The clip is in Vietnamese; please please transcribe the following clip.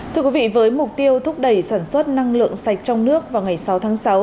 thưa quý vị với mục tiêu thúc đẩy sản xuất năng lượng sạch trong nước vào ngày sáu tháng sáu